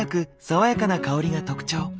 爽やかな香りが特徴。